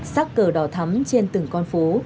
sắc cờ đỏ thắm trên từng con phố